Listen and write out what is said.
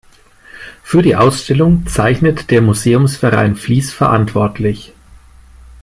Für die Ausstellung zeichnet der Museumsverein Fließ verantwortlich.